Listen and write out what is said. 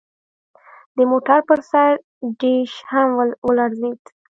د موټر پر سر ډیش هم ولړزید